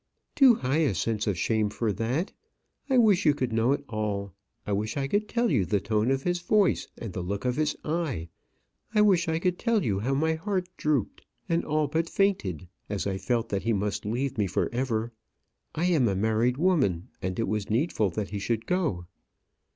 "Too high a sense of shame for that. I wish you could know it all. I wish I could tell you the tone of his voice, and the look of his eye. I wish I could tell you how my heart drooped, and all but fainted, as I felt that he must leave me for ever. I am a married woman, and it was needful that he should go."